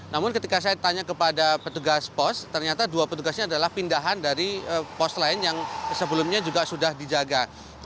namun ketika saya tanya kepada petugas pos ternyata dua petugasnya adalah pindahan dari pos lain yang sebelumnya juga sudah dijaga